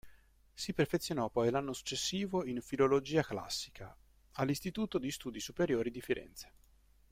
Si perfezionò poi l'anno successivo in filologia classica all'Istituto di Studi Superiori di Firenze.